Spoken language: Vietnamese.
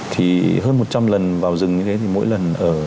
thì hơn một trăm linh lần vào rừng như thế thì mỗi lần ở